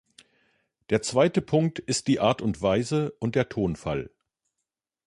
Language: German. Der zweite Punkt ist die Art und Weise und der Tonfall.